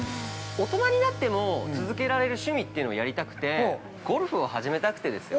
◆大人になっても続けられる趣味っていうのをやりたくてゴルフを始めたくてですよ。